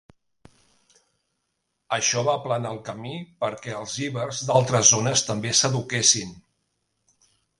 Això va aplanar el camí perquè els ibers d'altres zones també s'eduquessin.